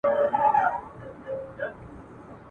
آیا ایوب خان وویل چي ښه وایي؟